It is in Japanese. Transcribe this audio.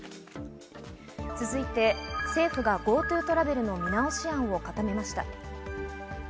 続いて政府がＧｏＴｏトラベルの見直し案を固めました。